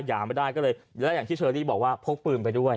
หย่าไม่ได้ก็เลยแล้วอย่างที่เชอรี่บอกว่าพกปืนไปด้วย